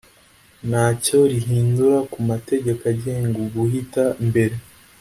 ntacyo rihindura ku mategeko agenga uguhita mbere.